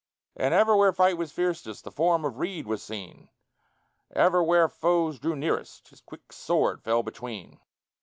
And ever where fight was fiercest the form of Reid was seen: Ever where foes drew nearest, his quick sword fell between.